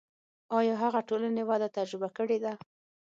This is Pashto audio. آیا هغه ټولنې وده تجربه کړې ده.